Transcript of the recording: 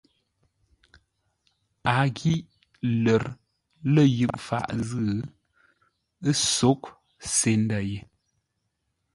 A ghíʼ lə̌r lə̂ yʉʼ faʼ zʉ́, ə́ sóghʼ se ndə̂ ye.